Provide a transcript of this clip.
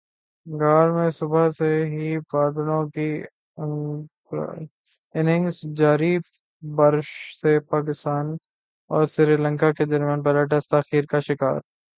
گال میں صبح سے ہی بادلوں کی اننگز جاری بارش سے پاکستان اور سری لنکا کے درمیان پہلا ٹیسٹ تاخیر کا شکار